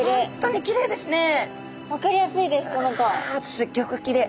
すギョくきれい。